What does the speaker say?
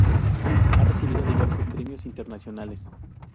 Ha recibido diversos premios internacionales.